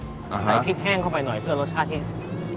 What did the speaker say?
ใส่พริกแห้งเข้าไปหน่อยเพื่อรสชาติที่